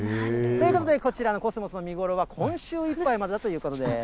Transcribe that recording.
ということで、こちらのコスモスの見頃は今週いっぱいまでだということです。